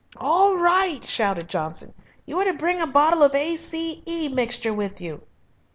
"All right," shouted Johnson. "You are to bring a bottle of A. C. E. mixture with you."